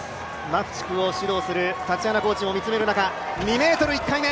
マフチクを指導するタチアナコーチが見つめる中２ｍ１回目。